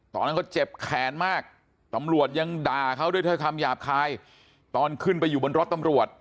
ตอนนั้นเขาเจ็บแขนมากตำรวจยังด่าเขาด้วยคำหยาบคายตอนขึ้นไปอยู่บนรถตำรวจ